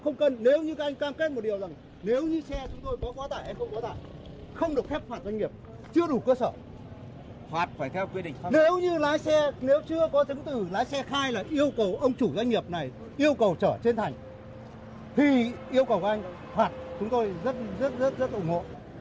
nếu như lái xe nếu chưa có chứng tử lái xe khai là yêu cầu ông chủ doanh nghiệp này yêu cầu trở trên thành thì yêu cầu của anh hoặc chúng tôi rất rất rất ủng hộ